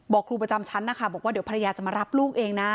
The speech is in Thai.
ครูประจำชั้นนะคะบอกว่าเดี๋ยวภรรยาจะมารับลูกเองนะ